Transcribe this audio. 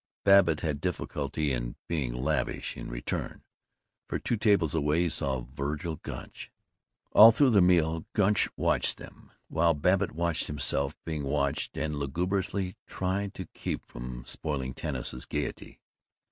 Babbitt had difficulty in being lavish in return, for two tables away he saw Vergil Gunch. All through the meal Gunch watched them, while Babbitt watched himself being watched and lugubriously tried to keep from spoiling Tanis's gaiety.